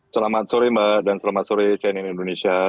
selamat sore mbak dan selamat sore cnn indonesia